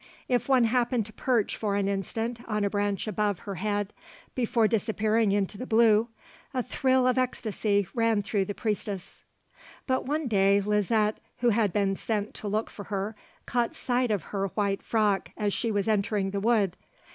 If one happened to perch for an instant on a branch above her head before disappearing into the blue, a thrill of ecstasy ran through the priestess. But one day Liset, who had been sent to look for her, caught sight of her white frock as she was entering the wood.